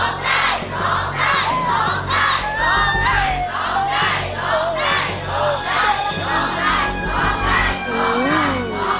ร้องได้